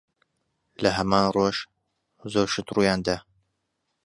لە هەمان ڕۆژ، زۆر شت ڕوویان دا.